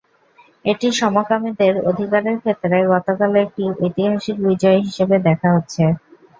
এটি সমকামীদের অধিকারের ক্ষেত্রে গতকাল একটি ঐতিহাসিক বিজয় হিসেবে দেখা হচ্ছে।